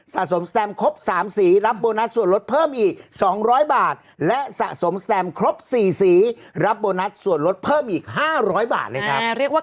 สะสมสแตมครบ๓สีรับโบนัสส่วนลดเพิ่มอีก๒๐๐บาทและสะสมสแตมครบ๔สีรับโบนัสส่วนลดเพิ่มอีก๕๐๐บาทเลยครับ